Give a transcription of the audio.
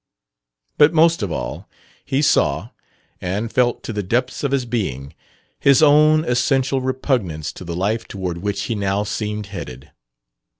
But, most of all, he saw and felt to the depths of his being his own essential repugnance to the life toward which he now seemed headed.